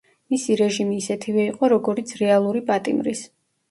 მისი რეჟიმი ისეთივე იყო, როგორიც რეალური პატიმრის.